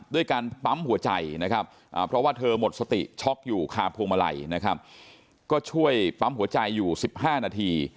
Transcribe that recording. ด้วยการปั๊มหัวใจนะครับเพราะว่าเธอหมดสติช็อกอยู่คาพวงมาลัยนะครับก็ช่วยปั๊มหัวใจอยู่๑๕นาที